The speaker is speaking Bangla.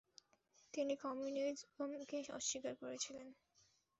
তিনি কমিউনিজমকে অস্বীকার করেছিলেন।